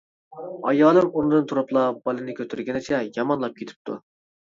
ئايالىم ئورنىدىن تۇرۇپلا بالىنى كۆتۈرگىنىچە يامانلاپ كېتىپتۇ.